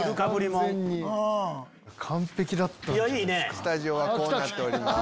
スタジオはこうなっております。